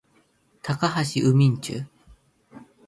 高橋海人